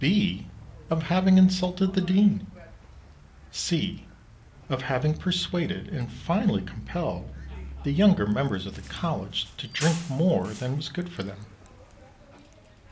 (b) Of having insulted the Dean. (c) Of having persuaded and finally compelled the younger members of the College to drink more than was good for them.